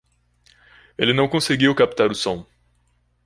Ele não conseguiu captar o som.